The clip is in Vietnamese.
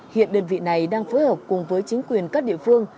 hiện đơn vị này đang phối hợp cùng với chính quyền các địa phương